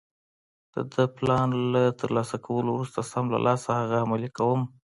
د دغه پلان له ترلاسه کولو وروسته سم له لاسه هغه عملي کوم.